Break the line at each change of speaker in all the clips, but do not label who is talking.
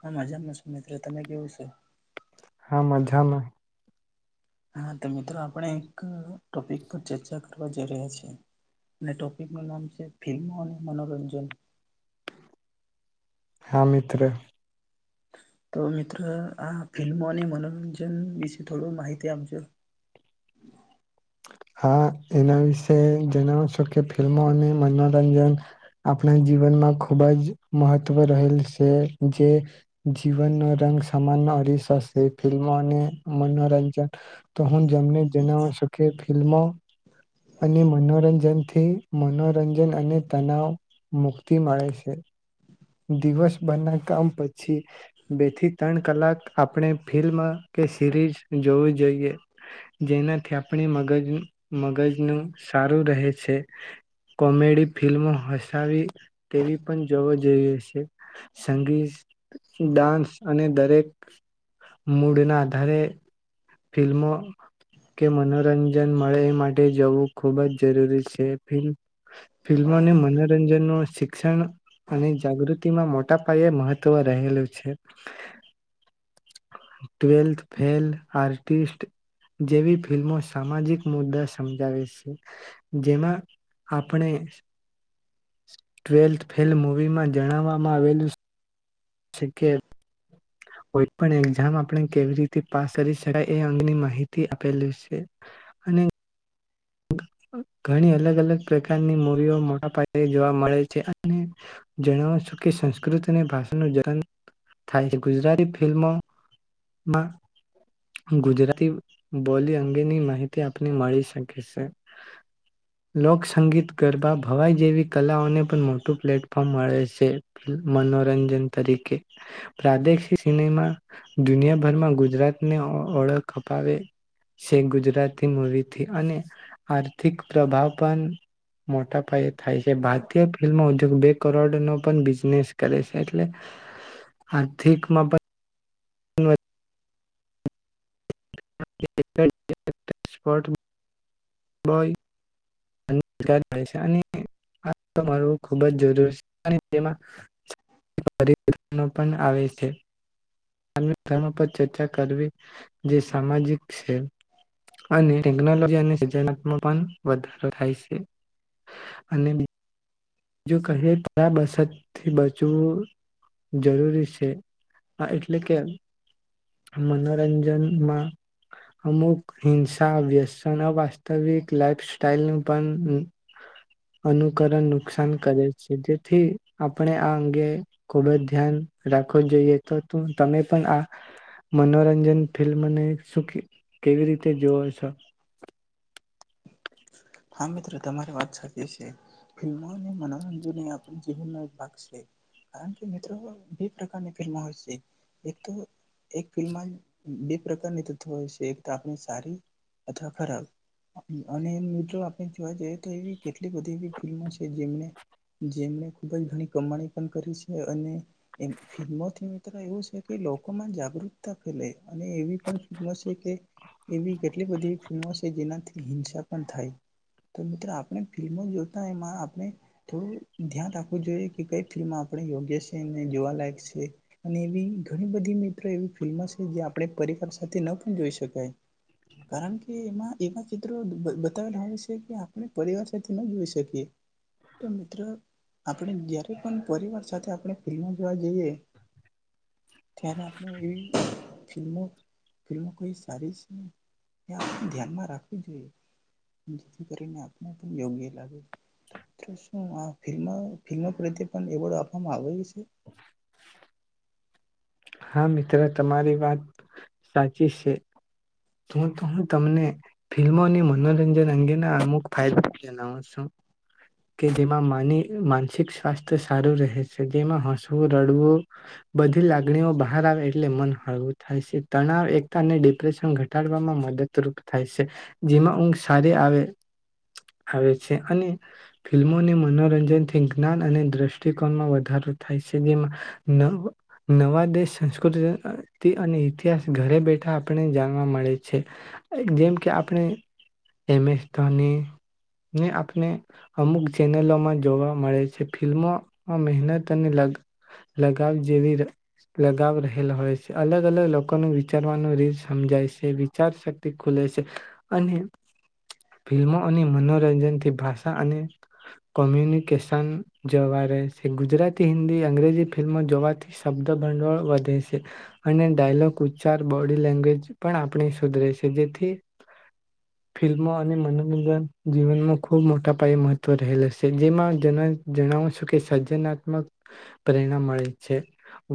મે મજામાં છું, મિત્ર તમે કેવું છે.
હા મજામાં.
હા તો મિત્રો આપણે એક ટોપિક પર ચર્ચા કરવા જઈ રહ્યા છીએ, ને ટોપિક નું નામ છે, ફિલ્મો અને મનોરંજન.
હા મિત્ર.
તો મિત્ર આ ફિલ્મો અને મનોરંજન વિશે થોડું માહિતી આપજો.
હા એના વિશે જેના [unintelligible] ફિલ્મો અને મનોરંજન આપણા જીવનમાં ખુબ જ મહત્વ રહેલી છે, જે જીવનનો રંગ સમાન અરીસશે ફિલ્મો અને મનોરંજન તો હું જેમને જેના [unintelligible] ફિલ્મ ફિલ્મો અને મનોરંજનથી મનોરંજન અને તનાવ મુક્તિ મળે છે. દિવસભરના કામ પછી બે થી ત્રણ કલાક આપણે ફિલ્મ કે સિરીઝ જોવું જોઈએ, જેનાથી આપણી મગજ મગજનું સારું રહે છે, કોમેડી ફિલ્મો હસાવી તેવી પણ જોવો જઈએ છે, સંગીત ડાન્સ અને દરેક મૂડ ના આધારે ફિલ્મો કે મનોરંજન મળે એ માટે જવું ખૂબ જ જરૂરી છે, ફિલ્મ ફિલ્મોને મનોરંજન નો શિક્ષણ અને જાગૃતિમાં મોટા પાયે મહત્વ રહેલું છે, ટવેલ્થ ફેલ, આર્ટિસ્ટ, જેવી ફિલ્મો સામાજિક મુદ્દા સમજાવે છે, જેમાં આપણે ટ્વેલ્થ ફેલ મૂવીમાં જણાવવામાં આવેલું છે, કે કોઈ પણ એક્ઝામ આપણે કેવી રીતે પાસ કરી શકાય એ અંગેની માહિતી આપેલી છે, અને ઘણી અલગ અલગ પ્રકારની મૂવીઓ મોટા પાયે જોવા મળે છે, અને જણાવો છું કે સંસ્કૃત અને ભાષાનું જલન થાય છે, ગુજરાતી ફિલ્મો માં ગુજરાતી બોલી અંગેની માહિતી આપને મળી શકે છે, લોકસંગી, ગરબા ભવાઈ જેવી કલાઓને પણ મોટું પ્લેટફોર્મ મળે છે, મનોરંજન તરીકે પ્રાદેશિક સિનેમા દુનિયાભરમાં ગુજરાતને ઓ ઓળખ અપાવે છે, ગુજરાતી મૂવીથી અને આર્થિક પ્રભાવ પણ મોટા પાયે થાય છે, ભારતીય ફિલ્મો ઉદ્યોગ બે કરોડનો પણ બિઝનેસ કરે છે, એટલે આર્થિકમાં પણ [unintelligible] [unintelligible] પટ હોય. અને સંસ્કાર મળે છે, અને આ તમારો ખૂબ જ જરૂર છે, અને તેમાં [unintelligible] તેનો પણ આવે છે. અને ધર્મ પર ચર્ચા કરવી જે સામાજિક છે, અને ટેકનોલોજી અને [unintelligible] પણ વધારો થાય છે, અને જો કહે [unintelligible] બસતથી બચવું જરૂરી છે, આ એટલે કે મનોરંજનમાં અમુક હિંસા વ્યસનઅ વાસ્તવિક લાઈફ સાઈલ નું પણ અનુકરણ નુકસાન કરે છે, જેથી આપણે આ અંગે ખૂબ જ ધ્યાન રાખવું જોઈએ, તો તું તમે પણ આ મનોરંજન ફિલ્મને શું કે કેવી રીતે જોવો છો.
હા મિત્ર તમારી વાત સાચી છે, ફિલ્મો અને મનોરંજન આપ જીવનનો એક ભાગ છે, કારણ કે મિત્રો બે પ્રકારની ફિલ્મો હોય છે, એક તો એક ફિલ્મ બે પ્રકારની તત્ો હોય છે, એક તો આપણે સારી અથવા ખરાબ અને મિત્રો આપણે જોવા જઈએ તો એવી કેટલી બધી એવી ફિલ્મો છે જેમને જેમને ખૂબ જ ઘણી કમાણી પણ કરી છે અને ફિલ્મોથી મિત્રો એવું છે કે લોકોમાં જાગૃતતા ફેલે અને એવી પણ ફિલ્મો છે કે એવી કેટલી બધીવી ફિલ્મો છે જેનાથી હિં મિત્રો આપણે ફિલ્મો જોતા એમાં આપણે થોડું ધ્યાન રાખવું જોઈએ કે કઈ ફિલ્મો આપણે યોગ્ય છે જોવાલાયક છે અને એવી ઘણી બધી મિત્રો એવી ફિલ્મો છે જે આપણે પરિવાર સાથે ન પણ જોઈ શકાય કારણ કે એમાં એવા ચિત્રો બતાવેલાાવ છે કે આપણે પરિવાર સાથે ન જોઈ શકીએ તો મિત્રો આપણે જ્યારે પણ પરિવાર સાથે આપણે ફિલ્મ જોવા જઈએ. ખ્યારે આપણે એવી ફિલ્મો ફિલ્મો કઈ સારી છેને એ આપણે ધ્યાનમાં રાખવું જોઈએ. જેથી કરીને આપને પણ યોગ્ય લાગે, શું ફમ ફિલ્મ પ્રત્યે પણ એવોર્ડ આપવામાં આવે છે?
[inaudible] હા મિત્ર તમારી વાત સાચી છે, હું તો હું તમને ફિલ્મોને મનોરંજન અંગેના અમુક ફાયદા જણવું છું, કે જેમાંની માનસિક સ્વાસ્થ્ય સારું રહે છે જેમાં હસવું રડવું, બધી લાગણી ઓ બહાર આવે એટલે મન હળવું થાય છે તણાવ એકતા અને ડિપ્રેશન ઘટાડવામાં મદદરૂપ થાય છે, જેમાં ઊંઘ સારી આવે આવે છે અને, ફિલ્મોને મનોરંજનથી જ્ઞાન અને દ્રષ્ટિકોણમાં વધારો થાય છે જેમાં ન નવા દેશ સંસ્કૃતિ અને ઇતિહાસ ઘરે બેઠા આપણે જાણવા મળે છે, જેમ કે આપણે એમ એસ ધોની ને આપણે, અમુક ચેનલોમાં જોવા મળે છે ફિલ્મોમાં મહેનત અને લગ લગાવ જેવી ર લગાવ રહેલા હોય છે. અલગ અલગ લોકોનું વિચારવાનું રીત સમજાય છે. વિચાર શક્તિ ખુલે છે અને ફિલ્મો અને મનોરંજન થી ભાષા અને કોમ્યુનિકેશન જોવા રહે છે. ગુજરાતી, હિન્દી, અંગ્રેજી ફિલ્મો જોવાથીસ શબ્દ ભંડોળ વધે છે. અને ડાયલોગ ઉચ્ચાર બોડી લેંગ્વેજ પણ આપણે સુધરે છે. જેથી, ફિલ્મો અને મનોરંજન જીવનમાં ખૂબ મોટા પાયે મહત્વ રહેલ છે. જેમાં જને જણાવ છું કે સર્જનાત્મક, પ્રેરણા મળે છે.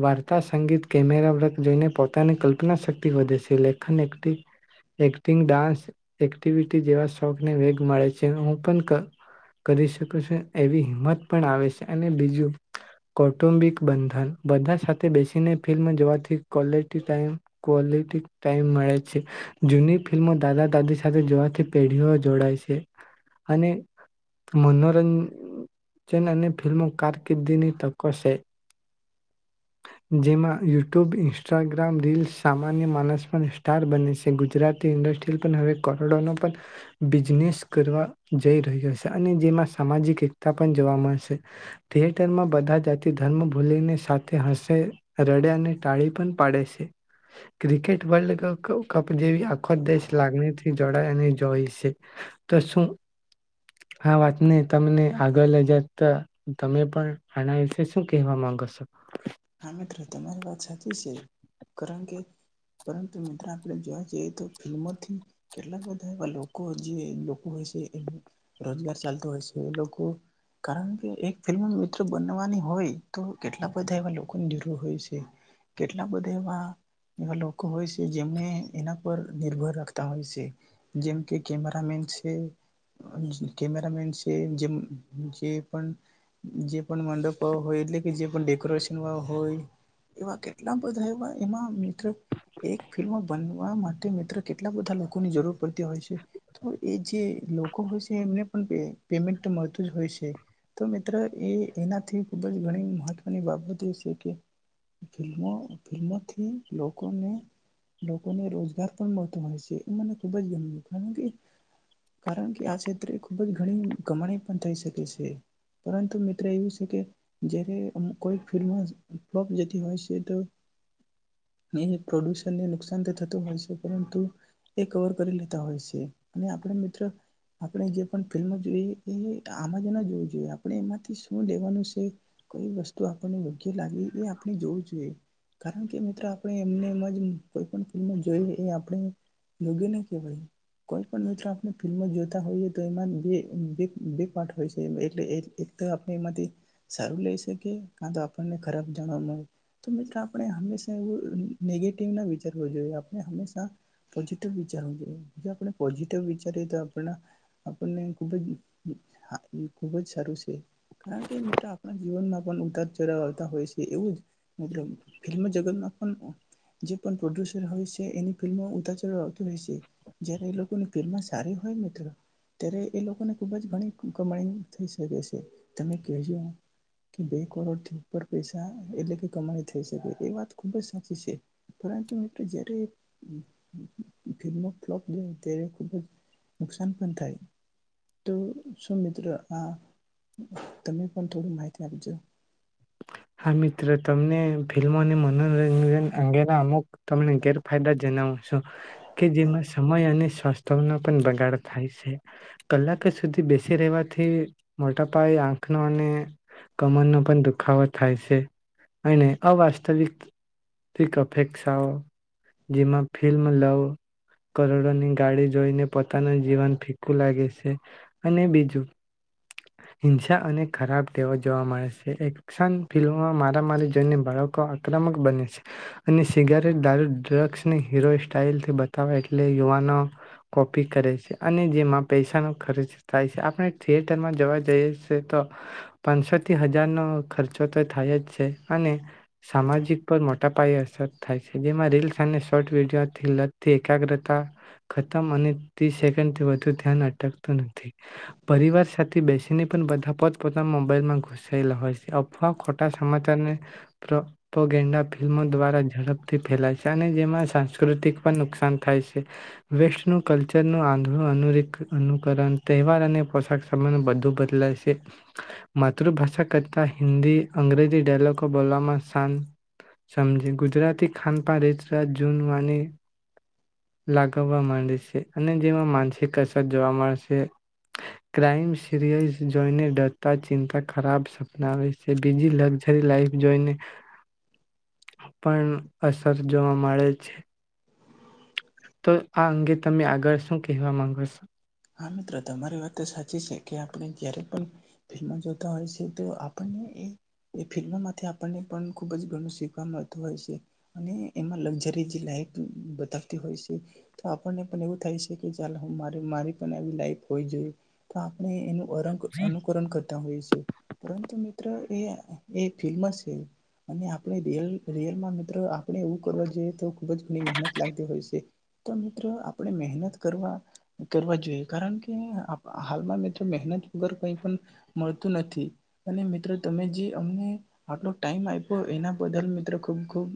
વાર્તા સંગીત કેમેરા વર્ક જોઈને પોતાની કલ્પના શક્તિ વધે છે. લેખન એક્ટ-એક્ટિંગ, ડાન્સ એક્ટિવિટી જેવા શોખને વેગ મળે છે. હું પણ ક-કરી શક છું એવી હિંમત પણ આવે છે. અને બીજું કૌટુંબિક બંધન બધા સાથે બેસીને ફિલ્મ જોવાથી ક્વોલિટી ટાઈમ ક્વોલિવ થીક ટાઈમ મળે છે. જૂની ફિલ્મો દાદા દાદી સાથે જોવાથી પેઢીઓ જોડાય છે. અને મનોરંજન અને ફિલ્મો કારકિર્દીની તકો છે. જેમાં યુટ્યુબ, ઇન્સ્ટાગ્રામ રીલ્સ સામાન્ય માણસમાં સ્ટાર બને છે. ગુજરાતી ઇન્ડસ્ટ્રી પણ હવે કરોડોનો પણ, બિઝનેસ કરવા જઈ રહ્યો છે. અને જેમાં સામાજિક એકતા પણ જોવા મળશે, થિયેટરમાં બધા જાતિ ધર્મ ભૂલીને સા થે હસે રડે અને ટાળી પણ પાડે છે. ક્રિકેટ વર્લ્ડ ક-કપ જેવી આખો દેશ લાગણીથી જોડાય અને જોઈ છે. તો શું આ વાતને તમને આગળ લઈ જાતા તમે પણ આના વિશે શું કહેવા માંગો છો?
હા મિત્ર તમારી વાત સાચી છે. કારણ કે પરંતુ મિત્ર આપણે જોવા જઈએ તો ફિલ્મોથી કેટલા બધા એવા લોકો જે લોકો હોય છે એ રોજગાર ચાલતો હોય છે લોકો, કારણ કે એક ફિલ્મ મિત્ર બનવાની હોય તો કેટલા બધા એવા લોક કો ની જરૂર હોય છે. કેટલા બધા એવા-એવા લોકો હોય છે જેમને એના પર નિર્ભર રાખતા હોય છે. જેમ કે કેમેરા મેન છે, કેમેરામેન છે જેમ જે પણ જે પણ મંડપો હોય એટલે કે જેે ડેકોરેશ એવા હોય, એવા કેટલા બધા એવા એમાં મિત્ર એક ફિલ્મ બનવા માટે મિત્ર કેટલા બધા લોકોની જરૂર પડતી હોય છે. તો એ જે લોકો હોય છે એમને પણ પે-પેમેન્ટ તો મળતું જ હોય છે. તો મિત્ર એ એનાથી ખુબ જ ઘણી મહત્વની બાબત થઈ શકે. ફિલ્મોથી લોકોને લોકોને રોજગાર પણ મળતો હોય છે, એ મને ખુબ જ ગમ્યું કારણ કે, કારણ કે આ ક્ષેત્રે ખુબ જ ઘણી ગમાણી પણ થઈ શકે છે, પરંતુ મિત્ર એવું છે કે જયારે અમ્મ કોઈ ફિલ્મોજ ફ્લોપ જતી હોય છે તો, એ પ્રોડ્યુસરને નુકસાન તો થતું હોય છે પરંતુ, એ કવર કરી લેતા હોય છે. અને આપણે મિત્ર આપણે જે પણ ફિલ્મો જોઈએ એ આમાં જ જોવું જોઈએ આપણે એમાંથી શું લેવાનું છે, કોઈ વસ્તુ આપ પણ બધે એક નાગરિક એ આપણે જોવું જોઈએ. કારણ કે મિત્રો આપણે એમને એમાં જેમ કોઈ પણ ફિલ્મ જોઈએ એ આપણે યોગ્ય ન કહેવાય, કોઈ પણ મિત્ર આપણે ફિલ્મ જોતા હોઈએ તો એમાં બે બે બે પાઠ હોય છે એટલે એક એક એક તો આપણે એમાંથી, સારું લઈ શકીએ કા તો આપણને ખરાબ જાણમો. તો મિત્રો આપણે હંમેશા અહ એવું નેગેટિવ ના વિચારવો જોઈએ. આપણે હંમેશા પોઝિટિવ વિચારવું જોઈએ, જો આપણે પોઝિટિવ વિચારીએ તો આપણા, આપણને ખૂબ જ અહ હા ખૂબજ સારું છે. કારણ કે મિત્રો આપણા જીવનમાં પણ ઉતાર ચઢાવ આવતા હોય છે. એવું જ, મિત્રો ફિલ્મ જગતમાં પણ જે પણ પ્રોડ્યુસર હોય છે એની ફિલ્મો ઉતાર ચઢાવ આવતો હોય છે. જયારે એ લોકોની ફિલ્મ સારી હોય મિત્ર, ત્યારે એ લોકોને ખુબ જ ઘણી કમાણી થઈ શકે છે. તમે કહેજો કે બે કરોડ થ ઉપર પૈસા એટલે કે કમાણી થઈ શકે. એ વાત ખૂબ જ સાચી છે, પરંતુ મિત્રો જય્યારે ફિલ્મો ફ્લોપ જાય ત્યારે ખૂબ જ નુકસાન પણ થાય. તો શું મિત્રો આ તમે પણ થોડી માહિતી આપજો.
હા મિત્ર તમને ફિલ્મો અને મનોરંજન અંગેના અમુક તમને ગેરફાયદા જનાવુ શું કે જેમાં સમય અને સ્વાસ્થ્ય નો પણ બગાડ થાય છે. કલાકે સુધી બેસી રહેવાથી મોટા પાયે આંખનો અને કમરનો પણ દુ દુખાવો થાય છે, અને અવાસ્તવિક અપેક્ષાઓ, જેમાં ફિલ્મ લવ કરોડોની ગાડી જોઈને પોતાનું જીવન ફીકું લાગે છે, અને બીજું હિંસા અને ખરાબ ટેવો જોવા મળે છે, એક્શન ફિલ્મમાં મારા મારી જોય બાળકો આક્રમક બને છે, અને સિગારેટ, દારૂ, ડ્રગ્સની હીરો સ્ટાઈલથી બતાવે એટલે યુવાનો કોપી કરે છે, અને જેમાં પૈસાનો ખર્ચ થાય છે, આપણે, જવા જઈએ શે તો, પાંસોથી હજાર નો ખર્ચો તો થાય જ છે અને, સામાજિક પર મોટા પાયે અસર થાય છે જેમાં રીલ્સ અને શોર્ટ વિડીયોથી લગથી એકાગ્રતા, ખતમ અને ત્રીસ સેકન્ડથી વધુ ધ્યાન અટકતું નથી, પરિવાર થી બેસીને પણ બધા પોત પોતાના મોબાઈલમાં ઘુસાયેલા હોય છે, અફવા ખોટા સમાચારને પ્રપગેન્ડા ફિલ્મો દ્વારા ઝડપથી ફેલાય છે, અને જેમાં સાંસ્કૃતિક પણ નુકસાન થાય છે, વેસ્ટનું કલ્ચરનું આંધળું અનુકરણ તહેવાર અને પોશાક બધું બદલાય શે, માતૃભાષા કરતા હિન્દી, અંગ્રેજી ડાયલોગ બોલવામાં શાંત સમજી ગુજરાતી ખાનપ રીત રાત જૂનવાની લાગવા માંડે શે, અને જેમાં માનસિક અસર જોવા મળશે ક્રાઈમ, સિરિયલ જોઈને ડરતા ચિંતા ખરાબ સપના આવે છે, બીજી લક્ઝરી લાઈફ જોઈને, પણ અસર જોવા મળે છે તો આ અંગે તમે આગળ શું કહેવા માંગો શો?
હા મિત્રો તમારી વાત તો સાચી છે કે આપણે જયારે પણ ફિલ્મો જોતા હોય શે તો આપણને એ, એ ફિલ્મોમાંથી આપણને પણ ખૂબ જ ઘણું શીખવા મળતું હોય શે, અને એમાં લક્ઝરી જે લાઈફ બતાવતી હોય છે, તો આપણને પણ એવું થાય શે કે ચાલ હું મારે મારી લાઈફ હોય જોઈએ, તો આપણે એનું અનુકરણ કરતા હોય શે, પરંતુ મિત્ર એ ફિલ્મ શે, અને આપણે રીયલ, રિયલમાં આપણે એવું કરવા જોઈએ તો ખુબ જ ઘણી મહેનત લાગતી હોય શે, તો મિત્રો આપણે મહેનત કરવા કરવા કારણ કે હાલમાં મિત્રો મહેનત વગર કઈ પણ મળતું નથી, અને મિત્રો તમે જે અમને આટલો ટાઈમ આપ્યો એના બદલ મિત્રો ખૂબ ખૂબ